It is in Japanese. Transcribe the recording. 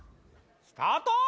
スタート